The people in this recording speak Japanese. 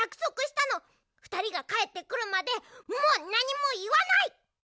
ふたりがかえってくるまでもうなにもいわない！